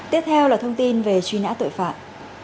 tiếp theo là thông tin về truy nã tội phạm